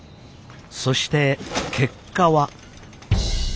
そして結果は。